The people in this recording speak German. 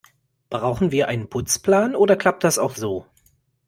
Brauchen wir einen Putzplan, oder klappt das auch so?